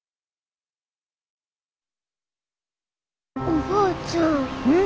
おばあちゃん。